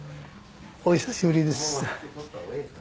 お久しぶりです。